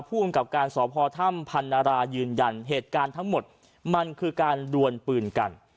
ภูมิกับการสพถ้ำพันนารายืนยันเหตุการณ์ทั้งหมดมันคือการดวนปืนกัน